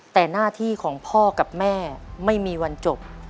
แต่หน้าที่ของพ่อกับแม่ไม่มีวันจบ